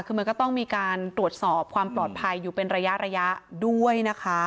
คือมันก็ต้องมีการตรวจสอบความปลอดภัยอยู่เป็นระยะด้วยนะคะ